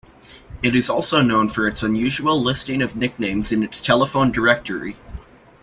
It is also known for its unusual listing of nicknames in its telephone directory.